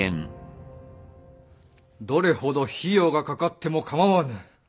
どれほど費用がかかってもかまわぬ。